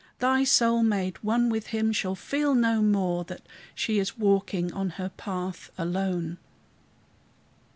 Thy soul, made one with him, shall feel no more That she is walking on her path alone.